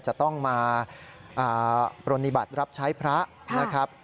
จะต้องมาปรณิบัติรับใช้พระนะครับ